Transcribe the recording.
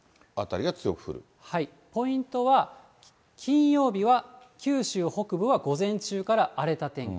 ポイントは、金曜日は九州北部は午前中から荒れた天気。